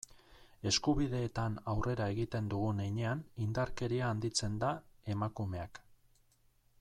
Eskubideetan aurrera egiten dugun heinean, indarkeria handitzen da, emakumeak.